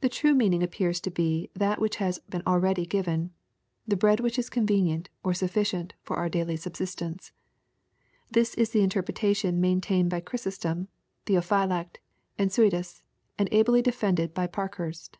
The true meaning appears to be that which has been already given, *'the bread which is convenient, or sufficient, for our daily subsistence." This is the interpretation maintained by Chrysos tom, Theophylactj and Suidas, and ably defended by Park hurst.